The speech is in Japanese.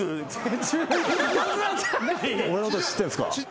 俺のこと知ってんすか？